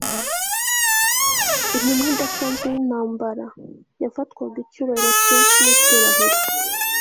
intumwa idasanzwe y'intambara, yafatwaga icyubahiro cyinshi n'icyubahiro